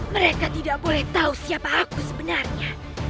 mereka tidak boleh tahu siapa aku sebenarnya